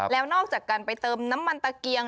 แล้วนอกจากการไปเติมน้ำมันตะเกียง